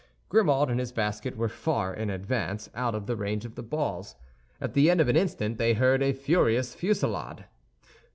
Grimaud and his basket were far in advance, out of the range of the balls. At the end of an instant they heard a furious fusillade.